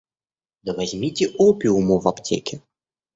Да возьмите опиуму в аптеке.